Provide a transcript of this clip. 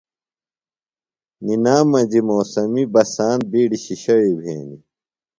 نِنام مجیۡ موسمی بسان بِیڈیۡ شِشیویۡ بھینیۡ۔